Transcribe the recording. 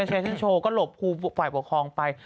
ใช่แคลเชนท์โชว์ก็หลบครูฝ่ายปกครองไป